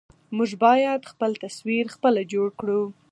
موږ بايد خپل تصوير خپله جوړ کړو.